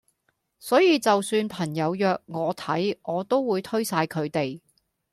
所以就算朋友約我睇我都會推曬佢地